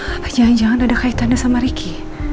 apa jangan jangan ada kaitannya sama ricky